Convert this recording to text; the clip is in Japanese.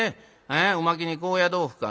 おまけに高野豆腐か。